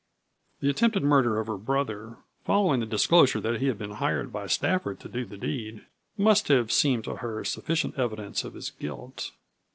The attempted murder of her brother, following the disclosure that he had been hired by Stafford to do the deed, must have seemed to her sufficient evidence of his guilt.